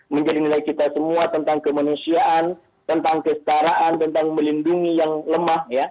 menjadi nilai kita semua tentang kemanusiaan tentang kestaraan tentang melindungi yang lemah